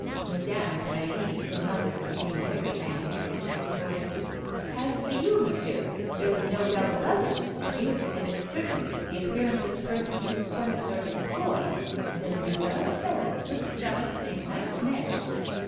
Madame Paille, the mother, became very angry, and she retorted: "As for you, Monsieur, there is no doubt about it, you exhibit certainly the appearance of persons whose stomachs are destroyed. It has been well said that good stomachs make nice men."